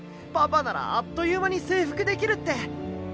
パパならあっという間に征服できるって。